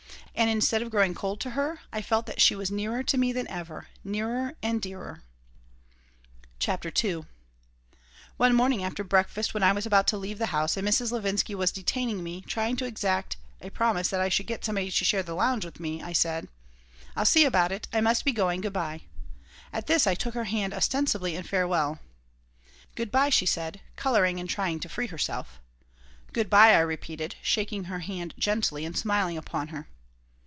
And, instead of growing cold to her, I felt that she was nearer to me than ever, nearer and dearer CHAPTER II ONE morning, after breakfast, when I was about to leave the house and Mrs. Levinsky was detaining me, trying to exact a promise that I should get somebody to share the lounge with me, I said: "I'll see about it. I must be going. Good by!" At this I took her hand, ostensibly in farewell. "Good by," she said, coloring and trying to free herself "Good by," I repeated, shaking her hand gently and smiling upon her.